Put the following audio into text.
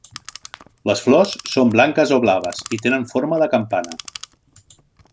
Les flors són blanques o blaves i tenen forma de campana.